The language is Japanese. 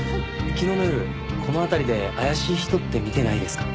昨日の夜この辺りで怪しい人って見てないですか？